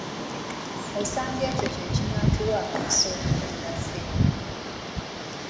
Osanga ekyo kye kinaatuwa akakisa okubeera ffembi.